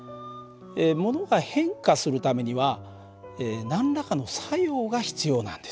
ものが変化するためには何らかの作用が必要なんです。